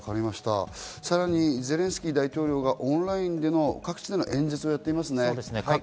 さらにゼレンスキー大統領がオンラインでの演説を各地でやっていますね。